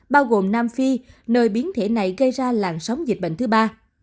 bao gồm nam phi nơi biến thể này gây ra làn sóng dịch bệnh thứ ba